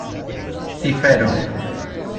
cifero